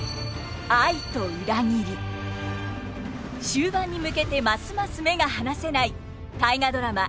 終盤に向けてますます目が離せない大河ドラマ